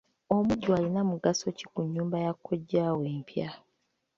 Omujjwa alina mugaso ki ku nnyumba ya kkojjaawe empya?